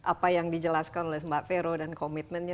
apa yang dijelaskan oleh mbak vero dan komitmennya